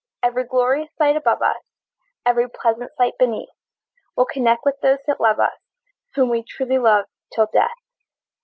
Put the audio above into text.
Every glorious sight above us, Every pleasant sight beneath, We'll connect with those that love us, Whom we truly love till death!